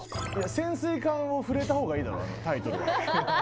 潜水艦を触れたほうがいいだろ、あのタイトルは。